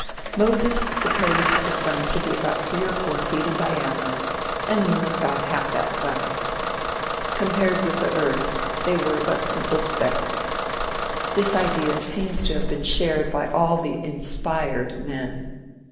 Moses supposed the sun to be about three or four feet in diameter and the moon about half that size. Compared with the earth they were but simple specks. This idea seems to have been shared by all the "inspired" men.